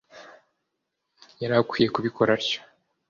yari akwiye kubikora atyo